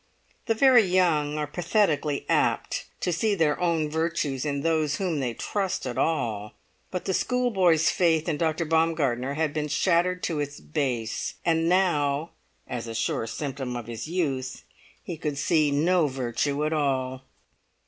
The very young are pathetically apt to see their own virtues in those whom they trust at all; but the schoolboy's faith in Dr. Baumgartner had been shattered to its base; and now (as sure a symptom of his youth) he could see no virtue at all.